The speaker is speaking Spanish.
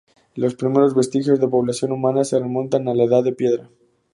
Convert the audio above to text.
Los primeros vestigios de población humana se remontan a la Edad de Piedra.